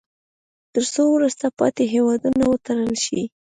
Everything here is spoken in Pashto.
تر څو وروسته پاتې هیوادونه وتړل شي.